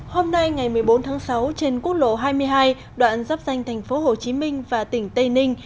hôm nay ngày một mươi bốn tháng sáu trên quốc lộ hai mươi hai đoạn dắp danh thành phố hồ chí minh và tỉnh tây ninh